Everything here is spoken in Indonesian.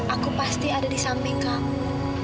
aku pasti ada di samping kamu